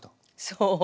そう？